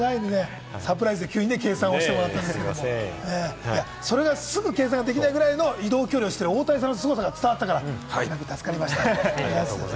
サプライズで急に計算してもらったんですけど、それがすぐ計算できないほどの移動距離をしている大谷さんが伝わりましたから、助かりました。